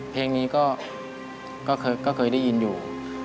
เพลงนี้ก็เคยได้ยินอยู่